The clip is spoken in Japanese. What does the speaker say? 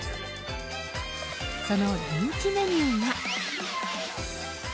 その人気メニューが。